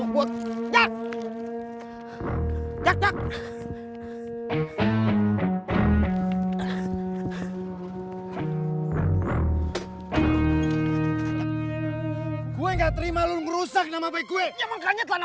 gue nggak terima lu merusak nama baik gue